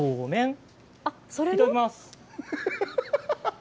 いただきます。